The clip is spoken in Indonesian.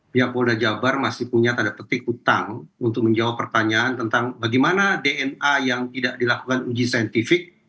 pihak polda jabar masih punya tanda petik utang untuk menjawab pertanyaan tentang bagaimana dna yang tidak dilakukan uji saintifik